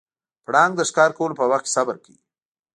پړانګ د ښکار کولو په وخت کې صبر کوي.